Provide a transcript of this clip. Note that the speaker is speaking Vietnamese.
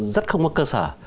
rất không có cơ sở